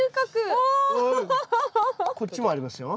こっちもありますよ。